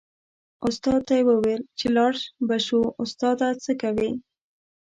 استاد ته یې و ویل چې لاړ به شو استاده څه کوې.